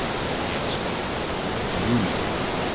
"Yes. But what do you mean?"